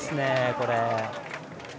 これ。